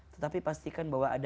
tetapi pastikan bahwa